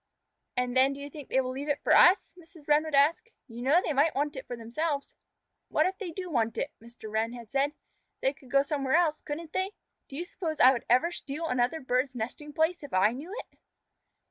"And then do you think they will leave it for us?" Mrs. Wren would ask. "You know they might want it for themselves." "What if they did want it?" Mr. Wren had said. "They could go somewhere else, couldn't they? Do you suppose I would ever steal another bird's nesting place if I knew it?"